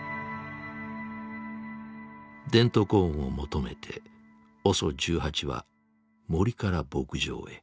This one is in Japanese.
デントコーンを求めてＯＳＯ１８は森から牧場へ。